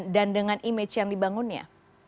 dan dengan image yang dibangunnya